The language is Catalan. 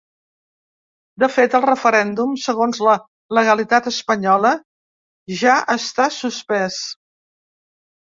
De fet, el referèndum, segons la legalitat espanyola, ja està suspès.